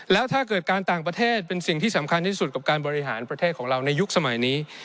แล้วถ้าเกิดการต่างประเทศเป็นสิ่งที่สำคัญที่สุดกับการบริหารประเทศของเราในยุคสมัยนี้